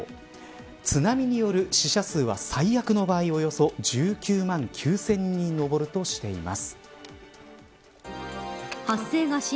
津波による死者数は最悪の場合およそ１９万９０００人に上るとしています。